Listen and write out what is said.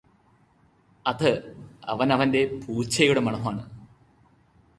അത് അവന് അവനെന്റെ പൂച്ചയുടെ മണമാണ്